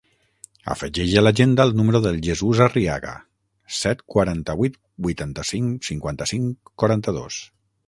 Afegeix a l'agenda el número del Jesús Arriaga: set, quaranta-vuit, vuitanta-cinc, cinquanta-cinc, quaranta-dos.